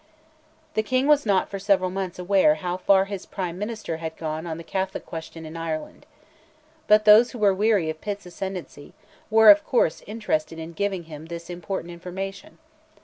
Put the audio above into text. The King was not for several months aware how far his Prime Minister had gone on the Catholic question in Ireland. But those who were weary of Pitt's ascendancy, were, of course, interested in giving him this important information.